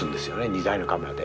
２台のカメラで。